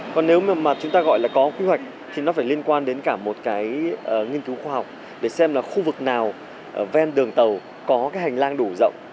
còn nếu mà chúng ta gọi là có quy hoạch thì nó phải liên quan đến cả một cái nghiên cứu khoa học để xem là khu vực nào ven đường tàu có cái hành lang đủ rộng